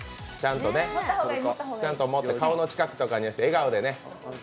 ちゃんと持って、顔の近くとかにして、笑顔でね。